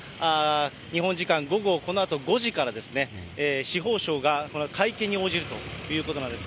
日本時間午後、このあと５時から、司法省が会見に応じるということなんです。